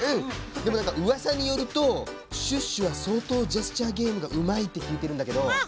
でもなんかうわさによるとシュッシュはそうとうジェスチャーゲームがうまいってきいてるんだけど。